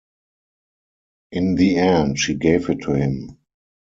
In the end she gave it to him.